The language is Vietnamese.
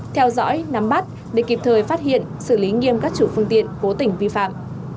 theo dõi nắm bắt để kịp thời phát hiện xử lý nghiêm các chủ phương tiện cố tình vi phạm